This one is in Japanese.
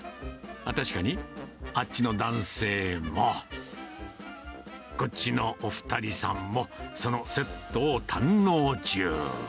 確かに、あっちの男性も、こっちのお２人さんも、そのセットを堪能中。